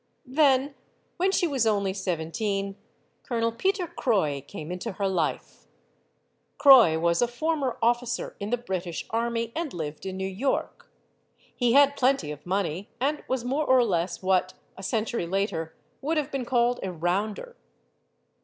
Then, when she was only seventeen, Colonel Peter Croix came into her life. Croix was a former officer in the British army and lived in New York. He had plenty of money, and was more or less what, a century later, would have been called a "rounder."